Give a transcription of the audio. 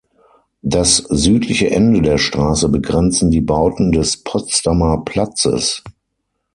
Das südliche Ende der Straße begrenzen die Bauten des Potsdamer Platzes.